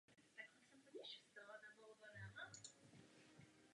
Typicky je tento program možné absolvovat na University of New York in Prague.